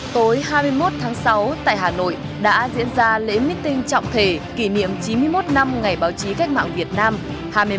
tối hai mươi một tháng sáu tại hà nội đã diễn ra lễ meeting trọng thể kỷ niệm chín mươi một năm ngày báo chí cách mạng việt nam